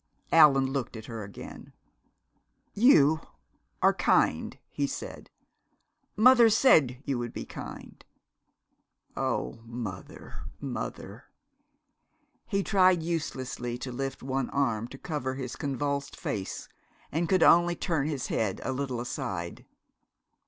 Allan looked at her again. "You are kind," he said. "Mother said you would be kind. Oh, mother mother!" He tried uselessly to lift one arm to cover his convulsed face, and could only turn his head a little aside.